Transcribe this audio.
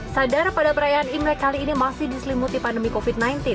sadar pada perayaan imlek kali ini masih diselimuti pandemi covid sembilan belas